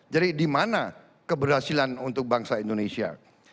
jadi di mana keberhasilan untuk bangsa indonesia